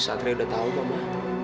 satria udah tau ma